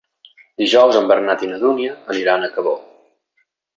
Dijous en Bernat i na Dúnia aniran a Cabó.